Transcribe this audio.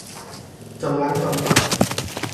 จองล้างจองผลาญ